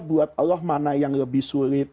buat allah mana yang lebih sulit